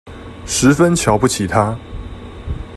十分瞧不起他